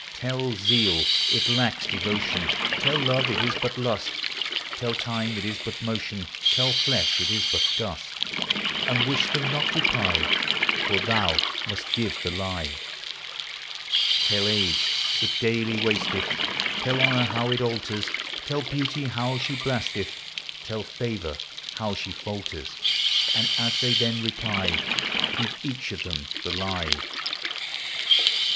Tell zeale it lacks devotion ; Tell love it is but lust ; Tell time it is but motion ; Tell flesh it is but dust ; And wish them not reply, For thou must give the lye. Tell age it daily wasteth ; Tell honor how it alters ; Tell beauty how she blasteth ; Tell favor how she falters ; And as they then reply, Give each of them the lye.